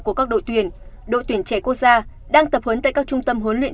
của các đội tuyển đội tuyển trẻ quốc gia đang tập huấn tại các trung tâm huấn luyện